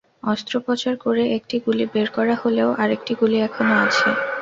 অস্ত্রোপচার করে একটি গুলি বের করা হলেও আরেকটি গুলি এখনো আছে।